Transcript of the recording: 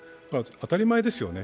当たり前ですよね。